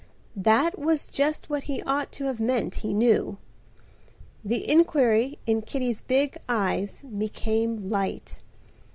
That was just what he ought to have meant, he knew. The inquiry in Kitty's big eyes became light.